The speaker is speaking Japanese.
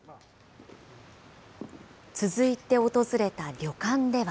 続いて訪れた旅館では。